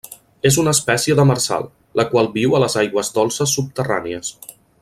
És una espècie demersal, la qual viu a les aigües dolces subterrànies.